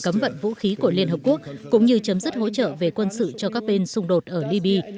cấm vận vũ khí của liên hợp quốc cũng như chấm dứt hỗ trợ về quân sự cho các bên xung đột ở libya